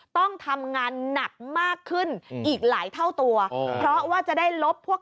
ต้องทำงานหนักมากขึ้นอีกหลายเท่าตัวเพราะว่าจะได้ลบพวก